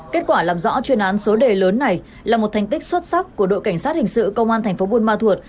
kết quả làm rõ chuyên án số đề lớn này là một thành tích xuất sắc của đội cảnh sát hình sự công an thành phố buôn ma thuột